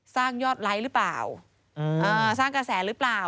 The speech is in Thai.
สร้างยอดไลค์หรือเปล่าสร้างกระแสหรือเปล่า